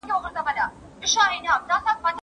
سرمایه باید په سمه توګه وکارول سي.